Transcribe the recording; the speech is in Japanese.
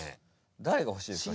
誰が欲しいですか？